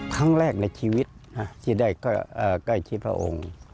ครั้งแรกในชีวิตที่ได้ใกล้ชิดพระองค์